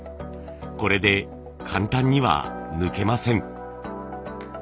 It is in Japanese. これで簡単には抜けません。